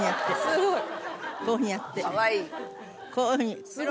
すごい！こういうふうに。